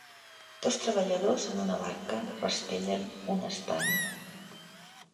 Dos treballadors en una barca rastellen un estany